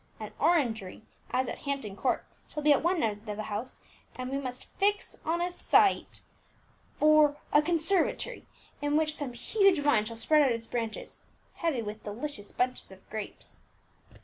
An orangery, as at Hampton Court, shall be at one end of the house; and we must fix on a site for a conservatory, in which some huge vine shall spread out its branches, heavy with delicious bunches of grapes."